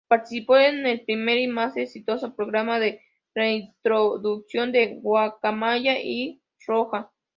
Participó en el primer y más exitoso programa de reintroducción de guacamaya roja.